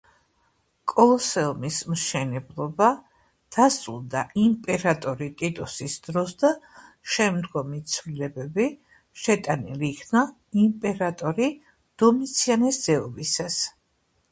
კოლოსეუმის მშენებლობა დასრულდა იმპერატორი ტიტუსის დროს და შემდგომი ცვლილებები შეტანილი იქნა იმპერატორი დომიციანეს ზეობისას.